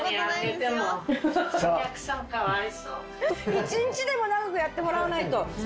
１日でも長くやってもらわないと。